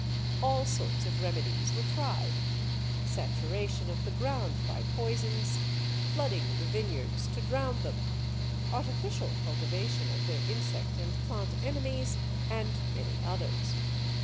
All sorts of remedies were tried saturation of the ground by poisons, flooding the vineyards to drown them, artificial cultivation of their insect and plant enemies, and many others.